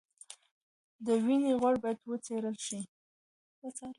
د وینې غوړ باید وڅارل شي.